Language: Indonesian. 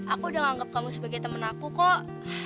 aku udah nganggap kamu sebagai temen aku kok